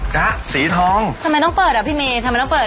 เค้าแผ่อแม่กันอีกอ๋อออออเค้าเรียกว่าไหนอ่ะพี่